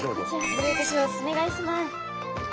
お願いします！